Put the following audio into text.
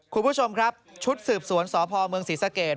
คุณผู้ชมครับชุดสืบสวนสพเมืองศรีสะเกด